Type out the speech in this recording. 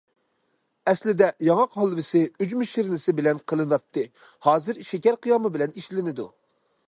ئەسلىدە ياڭاق ھالۋىسى ئۈجمە شىرنىسى بىلەن قىلىناتتى، ھازىر شېكەر قىيامى بىلەن ئىشلىنىدۇ.